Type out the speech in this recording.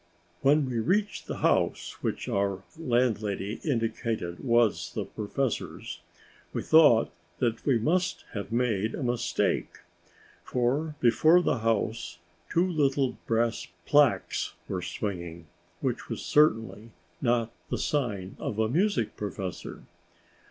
When we reached the house which our landlady indicated was the professor's, we thought that we must have made a mistake, for before the house two little brass plaques were swinging, which was certainly not the sign of a music professor.